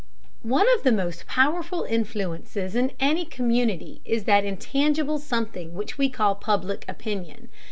One of the most powerful influences in any community is that intangible something which we call Public Opinion.